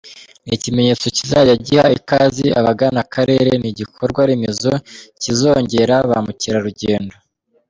Ni ikimenyetso kizajya giha ikaze abagana akarere, ni igikorwa remezo kizongera ba mukerarugendo.